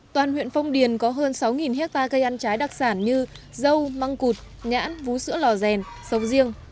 toàn huyện phong điền có hơn sáu hectare cây ăn trái đặc sản như dâu măng cụt nhãn vú sữa lò rèn sầu riêng